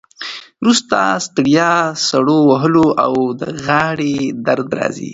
وروسته ستړیا، سړو وهلو او د غاړې درد راځي.